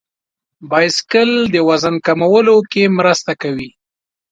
بایسکل د وزن کمولو کې مرسته کوي.